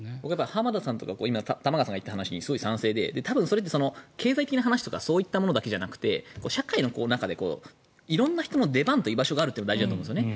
浜田さんとか玉川さんが言った話にすごい賛成で多分それって経済的な話とかそういったものだけじゃなくて社会の中で色んな人の出番と居場所があるって大事だと思うんですね。